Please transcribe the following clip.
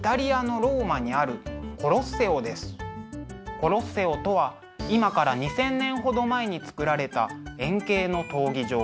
コロッセオとは今から２，０００年ほど前に造られた円形の闘技場。